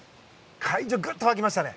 会場がぐっと沸きましたね。